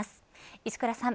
石倉さん。